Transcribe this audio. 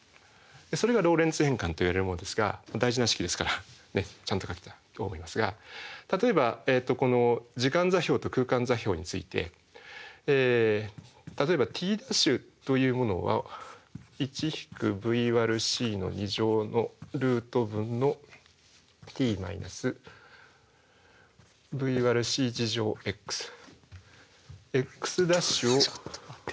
それがローレンツ変換といわれるものですが大事な式ですからちゃんと書きたいと思いますが例えばこの時間座標と空間座標について例えばｔ′というものをちょっと待って。